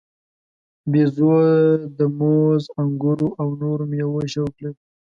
بیزو د موز، انګورو او نورو میوو شوق لري.